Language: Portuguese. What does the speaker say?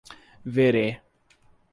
Verê